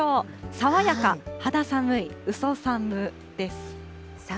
爽やか、肌寒い、うそ寒です。